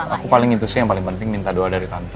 aku paling itu sih yang paling penting minta doa dari tante